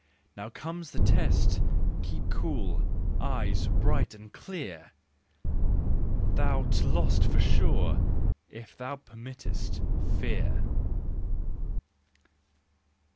Now comes the test! Keep cool—eyes bright and clear! Thou'rt lost for sure, if thou permittest—fear.